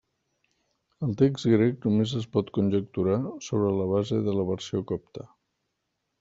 El text grec només es pot conjecturar sobre la base de la versió copta.